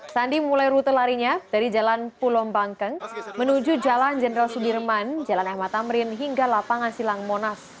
sandi mulai rute larinya dari jalan pulau bangkeng menuju jalan jenderal sudirman jalan ahmad tamrin hingga lapangan silang monas